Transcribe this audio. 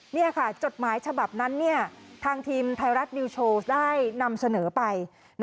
นี่ค่ะจดหมายฉบับนั้นทางทีมไทยรัฐนิวโชว์ได้นำเสนอไป